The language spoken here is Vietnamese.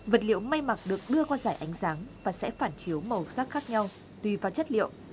vật liệu may mặc được đưa qua giải ánh sáng và sẽ phản chiếu màu sắc khác nhau tùy vào chất liệu